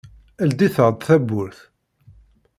Ldit-aɣ-d tawwurt.